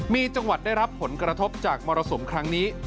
มีจังหวัดได้รับผลกระทบจากมรสุมครั้งนี้